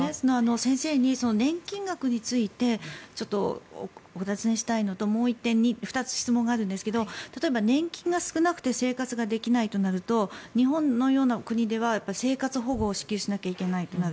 先生に年金額についてお尋ねしたいのと２つ質問があるんですが例えば年金が少なくて生活ができないとなると日本のような国では生活保護をしなくちゃいけなくなる。